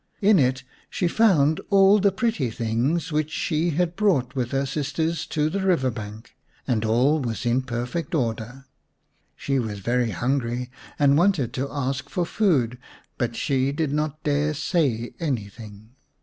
In it she found all the pretty things which she had brought with her sisters to the river bank, and all was in perfect order. She was very hungry and wanted to ask for food, but she did not dare say anything.